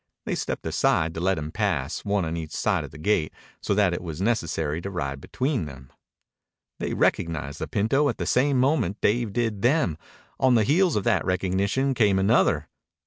They stepped aside to let him pass, one on each side of the gate, so that it was necessary to ride between them. They recognized the pinto at the same moment Dave did them. On the heels of that recognition came another.